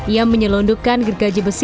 ia menyelundupkan gergaji besi